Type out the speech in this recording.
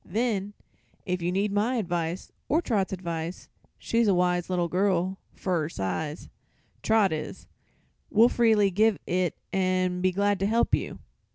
Then, if you need my advice, or Trot's advice she's a wise little girl, fer her size, Trot is we'll freely give it an' be glad to help you."